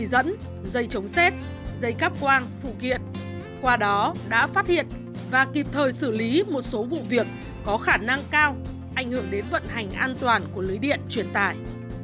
dây dẫn dây chống xét dây cắp quang phụ kiện qua đó đã phát hiện và kịp thời xử lý một số vụ việc có khả năng cao ảnh hưởng đến vận hành an toàn của lưới điện truyền tải